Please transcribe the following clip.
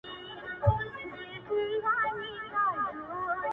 • د انصاف په تله خپل او پردي واړه ,